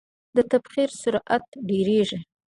د تبخیر سرعت ډیریږي.